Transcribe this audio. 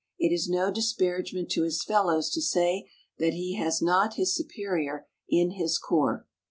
. it is no disparagement to his fellows to say that he has not his superior in his corps."